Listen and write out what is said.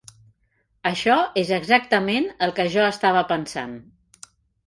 Això és exactament el que jo estava pensant.